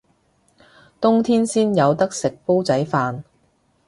冬天先有得食煲仔飯